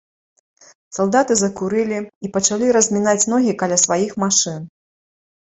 Салдаты закурылі і пачалі размінаць ногі каля сваіх машын.